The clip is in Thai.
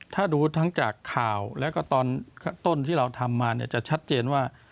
ถ้าดูทั้งจากข่าวแล้วก็ตอนต้นที่เราทำมาเนี่ยจะชัดเจนว่า